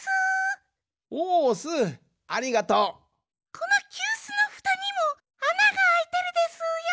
このきゅうすのふたにもあながあいてるでスーよ。